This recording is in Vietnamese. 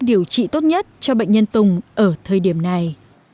điều trị tốt nhất cho bệnh nhân tùng ở thời điểm này